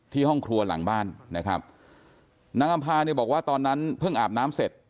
ห้องครัวหลังบ้านนะครับนางอำภาเนี่ยบอกว่าตอนนั้นเพิ่งอาบน้ำเสร็จ